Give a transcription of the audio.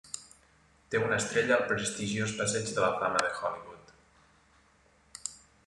Té una estrella al prestigiós passeig de la Fama de Hollywood.